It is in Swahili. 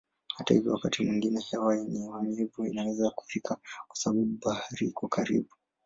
Hata hivyo wakati mwingine hewa yenye unyevu inaweza kufika kwa sababu bahari iko karibu.